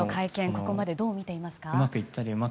ここまでどう見ていますか？